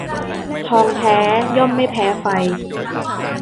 ทองแท้ย่อมไม่แพ้ไฟ